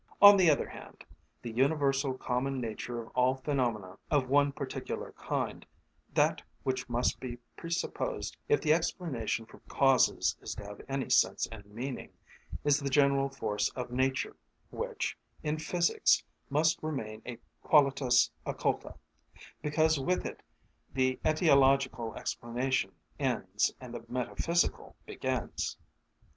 On the other hand, the universal common nature of all phenomena of one particular kind, that which must be presupposed if the explanation from causes is to have any sense and meaning, is the general force of nature, which, in physics, must remain a qualitas occulta, because with it the etiological explanation ends and the metaphysical begins.